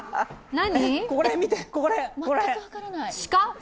何？